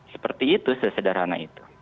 seperti itu sesederhana itu